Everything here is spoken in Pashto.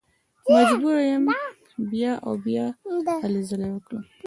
مجبوره یم بیا او بیا هلې ځلې وکړم.